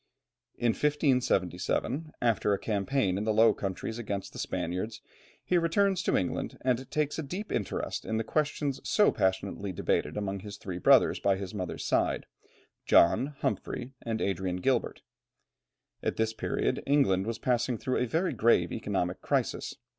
In 1577, after a campaign in the Low Countries against the Spaniards, he returns to England and takes a deep interest in the questions so passionately debated among his three brothers by the mother's side, John, Humphrey, and Adrian Gilbert. At this period England was passing through a very grave economic crisis.